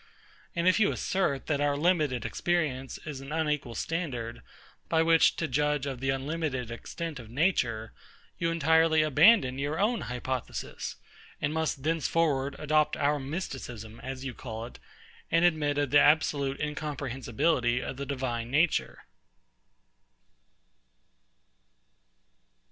And if you assert, that our limited experience is an unequal standard, by which to judge of the unlimited extent of nature; you entirely abandon your own hypothesis, and must thenceforward adopt our Mysticism, as you call it, and admit of the absolute incomprehensibility of the Divine Nature.